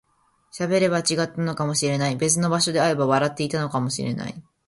喋れば違ったのかもしれない、別の場所で会えば笑っていたかもしれない